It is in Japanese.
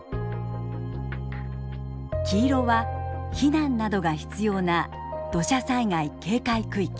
黄色は避難などが必要な土砂災害警戒区域。